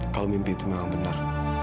kalau mimpi itu memang benar